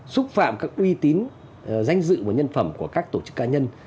xúc phạm các uy tín danh dự của nhân phẩm của các tổ chức cá nhân